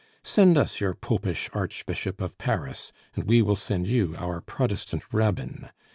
Send us your Popish Archbishop of Paris, and we will send you our Protestant Rabbin.